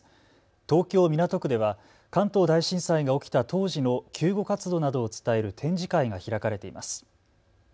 東京港区では関東大震災が起きた当時の救護活動などを伝える展示会が開かれています。